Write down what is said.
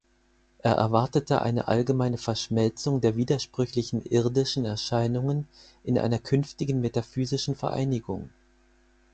Er erwartete eine allgemeine Verschmelzung der widersprüchlichen irdischen Erscheinungen in einer künftigen metaphysischen Vereinigung.